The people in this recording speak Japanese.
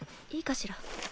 いいかしら？